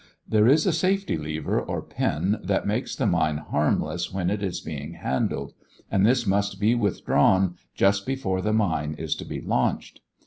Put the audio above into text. There is a safety lever or pin that makes the mine harmless when it is being handled, and this must be withdrawn just before the mine is to be launched.